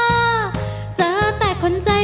ทั้งในเรื่องของการทำงานเคยทำนานแล้วเกิดปัญหาน้อย